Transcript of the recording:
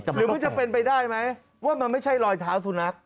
หรือมันจะเป็นไปได้ไหมว่ามันไม่ใช่รอยเท้าสุนัข